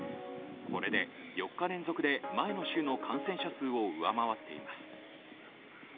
これで４日連続で前の週の感染者数を上回っています。